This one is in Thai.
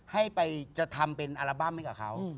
ให้ไปจะทำเป็นอัลบั้มให้กับเขา